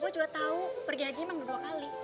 gue juga tau pergi haji emang dua kali